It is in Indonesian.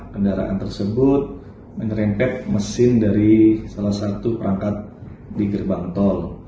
kendaraan tersebut menerempet mesin dari salah satu perangkat di gerbang tol